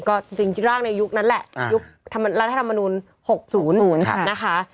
ก็จริงร่างในยุคนั้นแหละยุครัฐธรรมนุน๖๐นะคะ